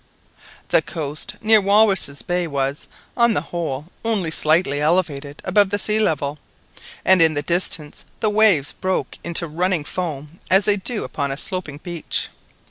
The coast near Walruses' Bay was, on the whole, only slightly elevated above the sea level, and in the distance the waves broke into running foam as they do upon a sloping beach.